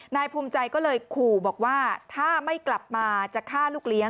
นายภูมิใจก็เลยขู่บอกว่าถ้าไม่กลับมาจะฆ่าลูกเลี้ยง